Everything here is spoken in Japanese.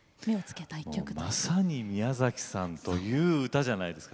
まさに宮崎さんという歌じゃないですか